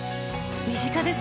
身近ですね。